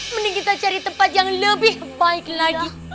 mending kita cari tempat yang lebih baik lagi